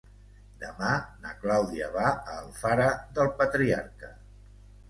Demà na Clàudia va a Alfara del Patriarca.